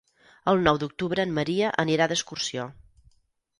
El nou d'octubre en Maria anirà d'excursió.